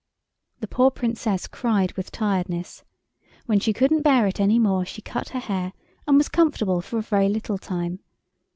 The poor Princess cried with tiredness; when she couldn't bear it any more she cut her hair and was comfortable for a very little time.